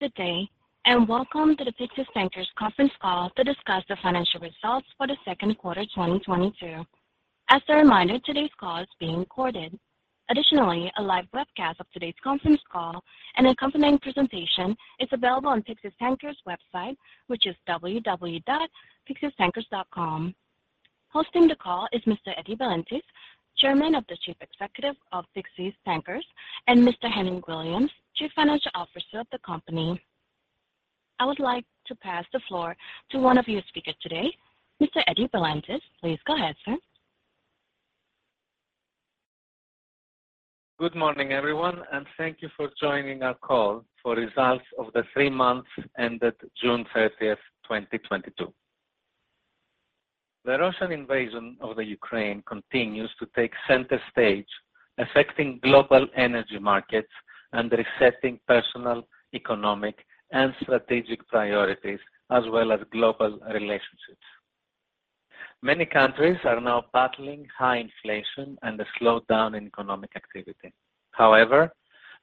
Good day, and Welcome to the Pyxis Tankers Conference Call to discuss the financial results for the Q2 2022. As a reminder, today's call is being recorded. Additionally, a live webcast of today's conference call and accompanying presentation is available on Pyxis Tankers website, which is www.pyxistankers.com. Hosting the call is Mr. Valentios Valentis, Chairman and Chief Executive Officer of Pyxis Tankers, and Mr. Henry Williams, Chief Financial Officer of the company. I would like to pass the floor to one of your speakers today. Mr. Valentios Valentis, please go ahead, sir. Good morning, everyone, and thank you for joining our call for results of the three months ended 30 June 2022. The Russian invasion of Ukraine continues to take center stage, affecting global energy markets and resetting personal, economic, and strategic priorities as well as global relationships. Many countries are now battling high inflation and a slowdown in economic activity. However,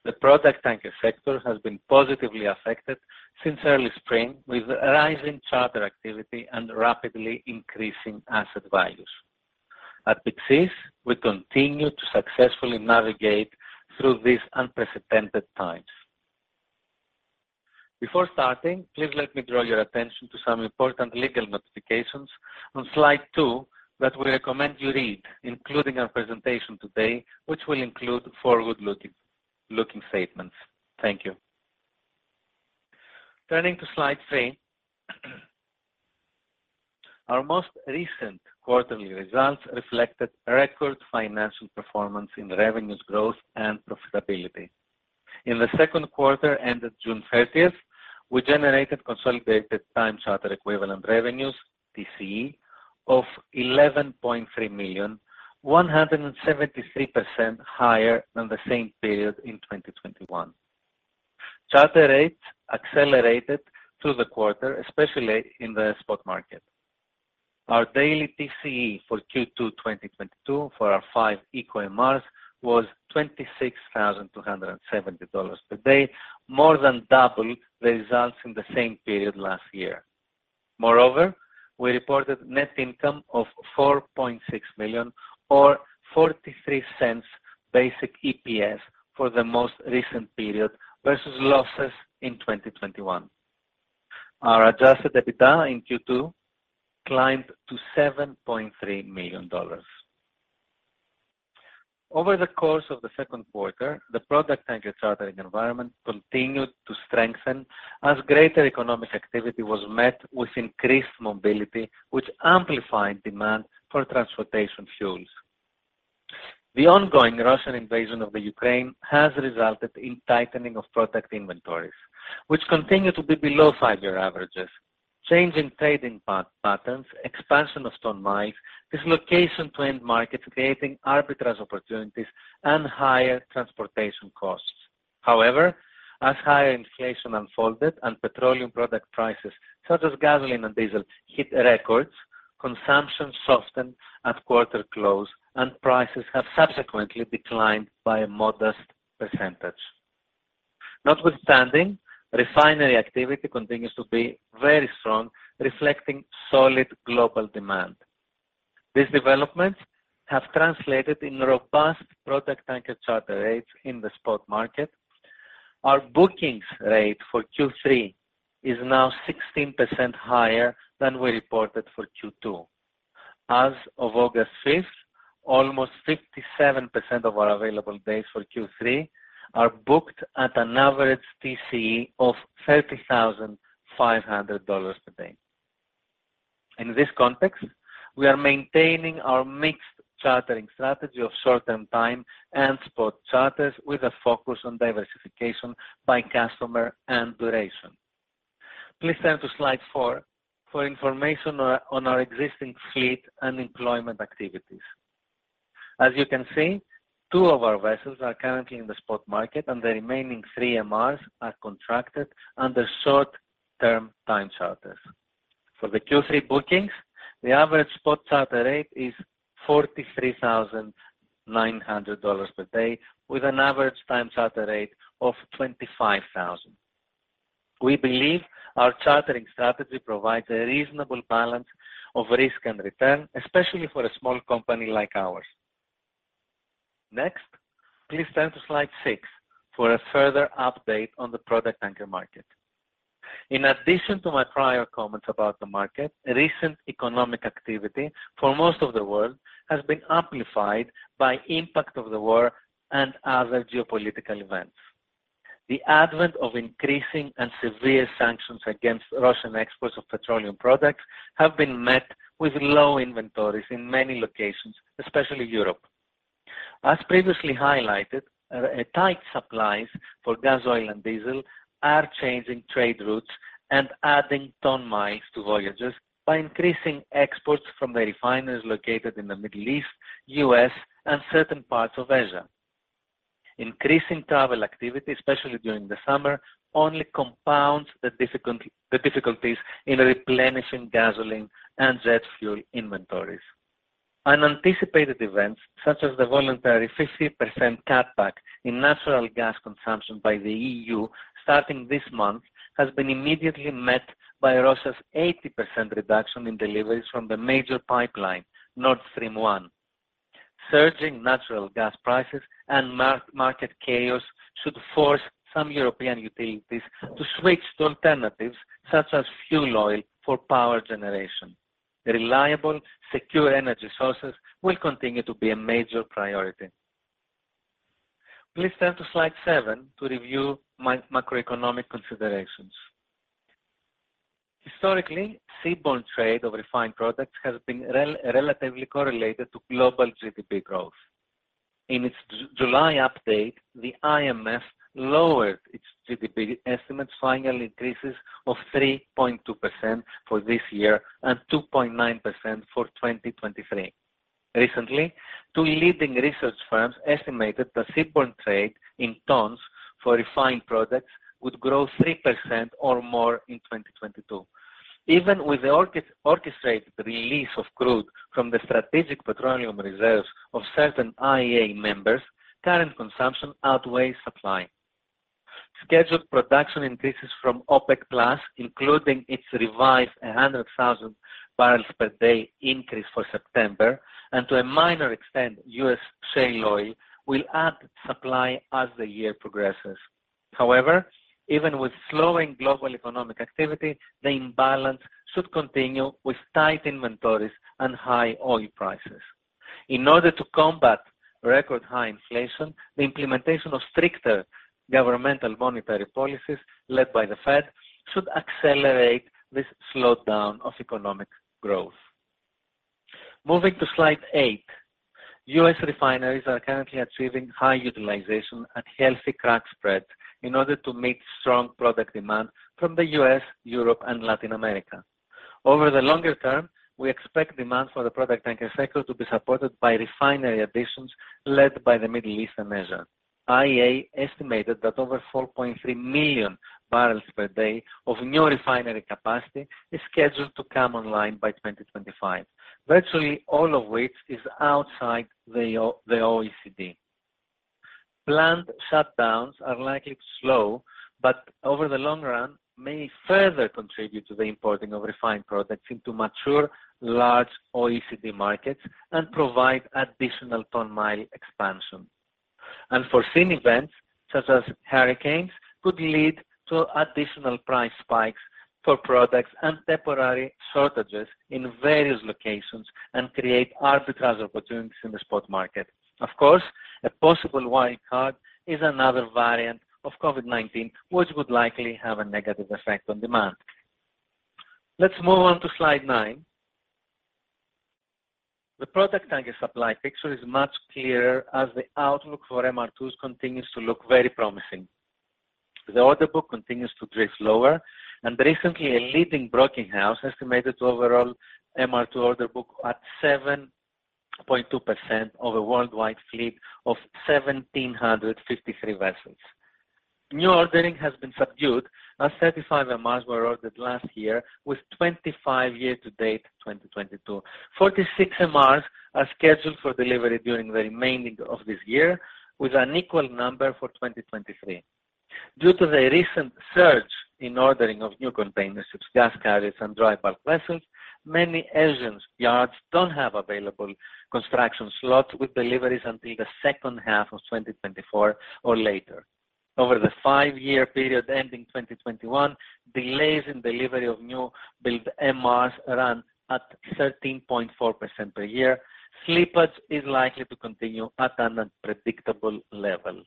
the product tanker sector has been positively affected since early spring, with rising charter activity and rapidly increasing asset values. At Pyxis, we continue to successfully navigate through these unprecedented times. Before starting, please let me draw your attention to some important legal notifications on Slide 2 that we recommend you read, including our presentation today, which will include forward-looking statements. Thank you. Turning to Slide 3, our most recent quarterly results reflected record financial performance in revenue growth and profitability. In the Q2 ended 30 June 2022, we generated consolidated time charter equivalent revenues, TCE, of $11.3 million, 173% higher than the same period in 2021. Charter rates accelerated through the quarter, especially in the spot market. Our daily TCE for Q2 2022 for our five eco MRs was $26,270 per day, more than double the results in the same period last year. Moreover, we reported net income of $4.6 million or $0.43 basic EPS for the most recent period versus losses in 2021. Our Adjusted EBITDA in Q2 climbed to $7.3 million. Over the course of the Q2, the product tanker chartering environment continued to strengthen as greater economic activity was met with increased mobility, which amplified demand for transportation fuels. The ongoing Russian invasion of the Ukraine has resulted in tightening of product inventories, which continue to be below five-year averages. Change in trading patterns, expansion of ton-miles, dislocation to end markets creating arbitrage opportunities and higher transportation costs. However, as higher inflation unfolded and petroleum product prices such as gasoline and diesel hit records, consumption softened at quarter close, and prices have subsequently declined by a modest percentage. Notwithstanding, refinery activity continues to be very strong, reflecting solid global demand. These developments have translated into robust product tanker charter rates in the spot market. Our bookings rate for Q3 is now 16% higher than we reported for Q2. As of 15 August 2022, almost 57% of our available days for Q3 are booked at an average TCE of $30,500 per day. In this context, we are maintaining our mixed chartering strategy of short-term time and spot charters with a focus on diversification by customer and duration. Please turn to Slide 4 for information on our existing fleet and employment activities. As you can see, two of our vessels are currently in the spot market and the remaining three MRs are contracted under short-term time charters. For the Q3 bookings, the average spot charter rate is $43,900 per day with an average time charter rate of $25,000. We believe our chartering strategy provides a reasonable balance of risk and return, especially for a small company like ours. Next, please turn to Slide 6 for a further update on the product tanker market. In addition to my prior comments about the market, recent economic activity for most of the world has been amplified by impact of the war and other geopolitical events. The advent of increasing and severe sanctions against Russian exports of petroleum products have been met with low inventories in many locations, especially Europe. As previously highlighted, tight supplies for gas oil and diesel are changing trade routes and adding ton-miles to voyages by increasing exports from the refineries located in the Middle East, U.S., and certain parts of Asia. Increasing travel activity, especially during the summer, only compounds the difficulties in replenishing gasoline and jet fuel inventories. Unanticipated events such as the voluntary 50% cutback in natural gas consumption by the EU starting this month, has been immediately met by Russia's 80% reduction in deliveries from the major pipeline, Nord Stream 1. Surging natural gas prices and market chaos should force some European utilities to switch to alternatives such as fuel oil for power generation. Reliable, secure energy sources will continue to be a major priority. Please turn to Slide 7 to review macroeconomic considerations. Historically, seaborne trade of refined products has been relatively correlated to global GDP growth. In its July update, the IMF lowered its GDP estimates. Final increases of 3.2% for this year and 2.9% for 2023. Recently, two leading research firms estimated that seaborne trade in tons for refined products would grow 3% or more in 2022. Even with the orchestrated release of crude from the strategic petroleum reserves of certain IEA members, current consumption outweighs supply. Scheduled production increases from OPEC+, including its revised 100,000 barrels per day increase for September, and to a minor extent, U.S. shale oil, will add supply as the year progresses. However, even with slowing global economic activity, the imbalance should continue with tight inventories and high oil prices. In order to combat record high inflation, the implementation of stricter governmental monetary policies led by the Fed should accelerate this slowdown of economic growth. Moving to Slide 8. U.S. refineries are currently achieving high utilization and healthy crack spread in order to meet strong product demand from the U.S., Europe and Latin America. Over the longer term, we expect demand for the product tanker sector to be supported by refinery additions led by the Middle East and Asia. IEA estimated that over 4.3 million barrels per day of new refinery capacity is scheduled to come online by 2025, virtually all of which is outside the OECD. Planned shutdowns are likely to slow, but over the long run may further contribute to the importing of refined products into mature, large OECD markets and provide additional ton-miles expansion. Unforeseen events such as hurricanes could lead to additional price spikes for products and temporary shortages in various locations and create arbitrage opportunities in the spot market. Of course, a possible wild card is another variant of COVID-19, which would likely have a negative effect on demand. Let's move on to Slide 9. The product tanker supply picture is much clearer as the outlook for MR2s continues to look very promising. The order book continues to drift lower, and recently, a leading broking house estimated overall MR2 orderbook at 7.2% of a worldwide fleet of 1,753 vessels. New ordering has been subdued as 35 MRs were ordered last year with 25 year-to-date, 2022. 46 MRs are scheduled for delivery during the remainder of this year with an equal number for 2023. Due to the recent surge in ordering of new container ships, gas carriers, and dry bulk vessels, many Asian yards don't have available construction slots with deliveries until the second half of 2024 or later. Over the five-year period ending 2021, delays in delivery of newbuild MRs ran at 13.44% per year. Slippage is likely to continue at an unpredictable level.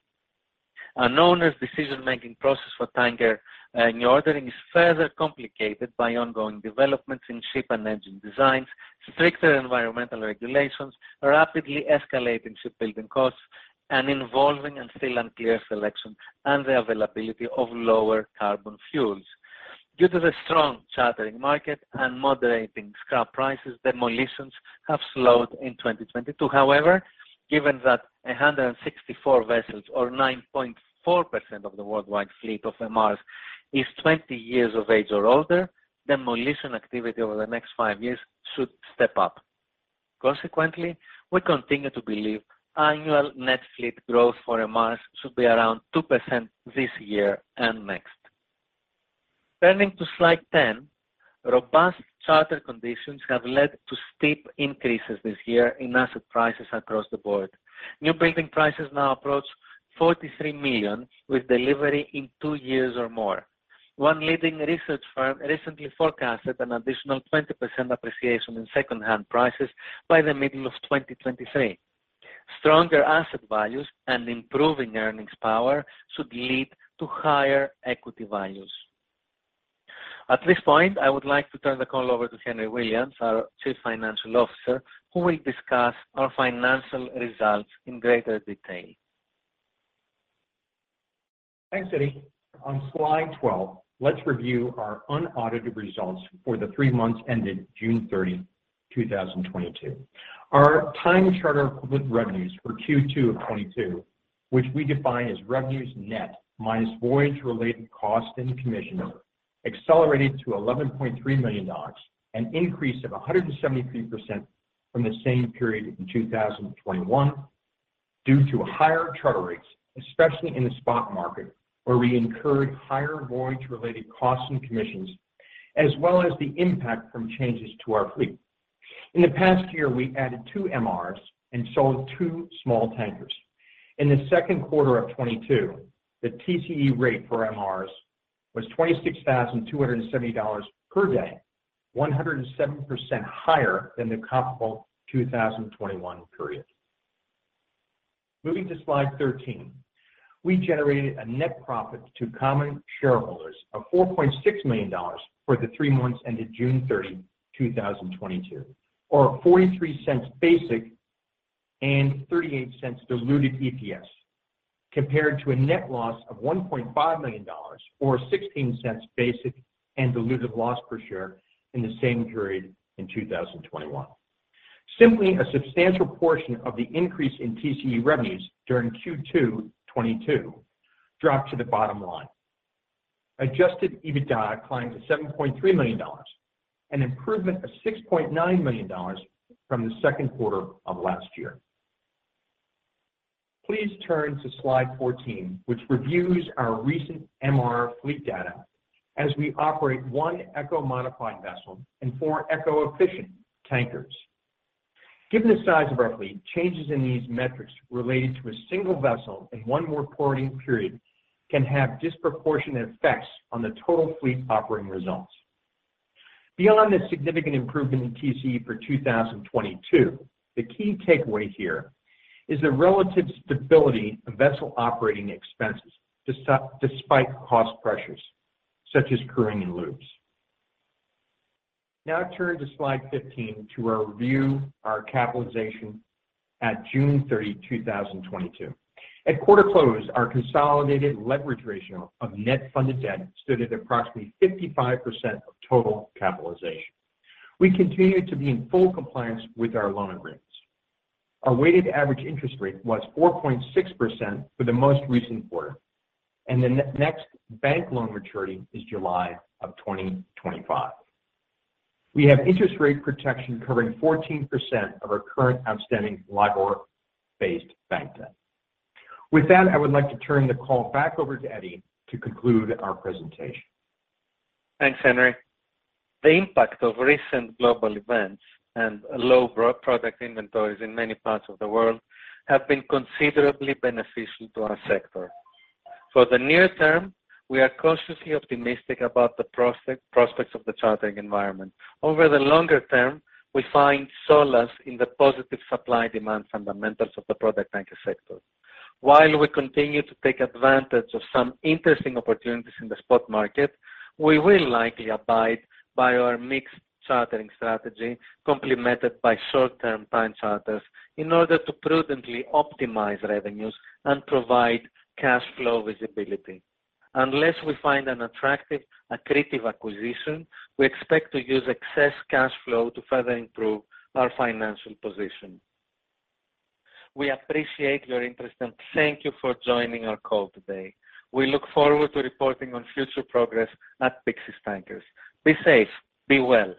An owner's decision-making process for tanker and ordering is further complicated by ongoing developments in ship and engine designs, stricter environmental regulations, rapidly escalating shipbuilding costs, and involving and still unclear selection and the availability of lower carbon fuels. Due to the strong chartering market and moderating scrap prices, demolitions have slowed in 2022. However, given that 164 vessels or 9.4% of the worldwide fleet of MRs is 20 years of age or older, demolition activity over the next five years should step up. Consequently, we continue to believe annual net fleet growth for MRs should be around 2% this year and next. Turning to Slide 10. Robust charter conditions have led to steep increases this year in asset prices across the board. Newbuilding prices now approach $43 million, with delivery in two years or more. One leading research firm recently forecasted an additional 20% appreciation in second-hand prices by the middle of 2023. Stronger asset values and improving earnings power should lead to higher equity values. At this point, I would like to turn the call over to Henry Williams, our Chief Financial Officer, who will discuss our financial results in greater detail. Thanks, Eddie. On Slide 12, let's review our unaudited results for the three months ended 30 June 2022. Our time charter equivalent revenues for Q2 of 2022, which we define as revenues net minus voyage-related costs and commissions. Accelerated to $11.3 million, an increase of 173% from the same period in 2021 due to higher charter rates, especially in the spot market, where we incurred higher voyage-related costs and commissions, as well as the impact from changes to our fleet. In the past year, we added two MRs and sold two small tankers. In the Q2 of 2022, the TCE rate for MRs was $26,270 per day, 107% higher than the comparable 2021 period. Moving to Slide 13. We generated a net profit to common shareholders of $4.6 million for the three months ended June 30, 2022, or $0.43 basic and $0.38 diluted EPS, compared to a net loss of $1.5 million or $0.16 basic and diluted loss per share in the same period in 2021. Simply, a substantial portion of the increase in TCE revenues during Q2 2022 dropped to the bottom line. Adjusted EBITDA climbed to $7.3 million, an improvement of $6.9 million from the Q2 of last year. Please turn to Slide 14, which reviews our recent MR fleet data as we operate one eco-modified vessel and four eco-efficient tankers. Given the size of our fleet, changes in these metrics related to a single vessel in one reporting period can have disproportionate effects on the total fleet operating results. Beyond the significant improvement in TCE for 2022, the key takeaway here is the relative stability of vessel operating expenses despite cost pressures such as crewing and lubes. Now turn to Slide 15 to review our capitalization at 30 June 2022. At quarter close, our consolidated leverage ratio of net funded debt stood at approximately 55% of total capitalization. We continue to be in full compliance with our loan agreements. Our weighted average interest rate was 4.6% for the most recent quarter, and the next bank loan maturing is July 2025. We have interest rate protection covering 14% of our current outstanding LIBOR-based bank debt. With that, I would like to turn the call back over to Eddie to conclude our presentation. Thanks, Henry. The impact of recent global events and low product inventories in many parts of the world have been considerably beneficial to our sector. For the near term, we are cautiously optimistic about the prospects of the chartering environment. Over the longer term, we find solace in the positive supply-demand fundamentals of the product tanker sector. While we continue to take advantage of some interesting opportunities in the spot market, we will likely abide by our mixed chartering strategy, complemented by short-term time charters in order to prudently optimize revenues and provide cash flow visibility. Unless we find an attractive, accretive acquisition, we expect to use excess cash flow to further improve our financial position. We appreciate your interest, and thank you for joining our call today. We look forward to reporting on future progress at Pyxis Tankers. Be safe, be well.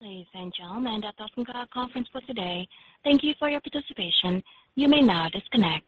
Ladies and gentlemen, that does conclude our conference for today. Thank you for your participation. You may now disconnect.